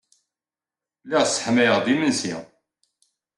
Lliɣ sseḥmayeɣ-d imensi.